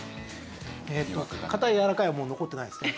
えっと硬いやわらかいはもう残ってないですね。